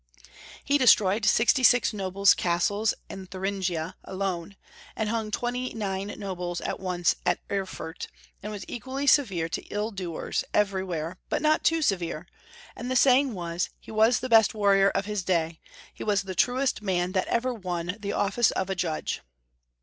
He destroyed sixty six nobles' castles in Thuringia alone, and hung twenty nine nobles at once at Erfurt, and was equally severe to ill doers every where but not too severe, and the saying was, " He was the best warrior of his day ; he was the truest man that ever won the office of a judge."